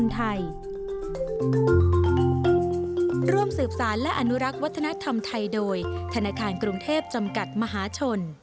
ธนาคารกรุงเทพฯจำกัดมหาชน